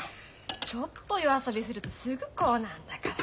ちょっと夜遊びするとすぐこうなんだから。